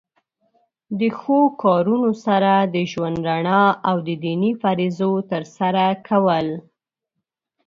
د ښو کارونو سره د ژوند رڼا او د دینی فریضو تر سره کول.